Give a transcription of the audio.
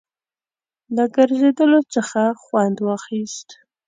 له ګرځېدلو څخه خوند واخیست.